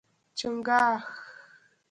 🦀 چنګاښ